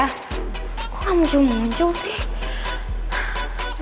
kok gak muncul muncul sih